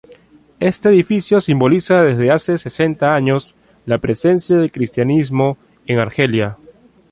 Este edificio simboliza desde hace sesenta años, la presencia del cristianismo en Argelia.